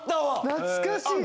懐かしい！